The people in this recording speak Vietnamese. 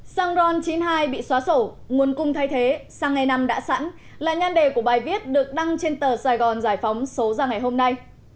xăng ron chín mươi hai bị xóa sổ nguồn cung thay thế sang ngày năm đã sẵn là nhan đề của bài viết được đăng trên tờ sài gòn giải phóng số ra ngày hôm nay